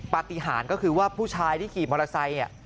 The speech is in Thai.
ปฏิหารก็คือว่าผู้ชายที่ขี่มอเตอร์ไซค์